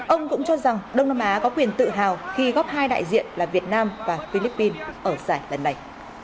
ông cũng cho rằng đông nam á có quyền tự hào khi góp hai đại diện là việt nam và philippines ở giải lần này